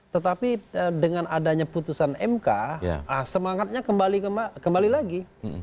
tetapi dengan adanya putusan mk semangatnya kembali lagi